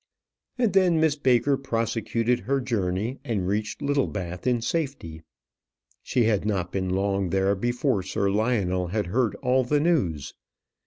And then Miss Baker prosecuted her journey, and reached Littlebath in safety. She had not been long there before Sir Lionel had heard all the news.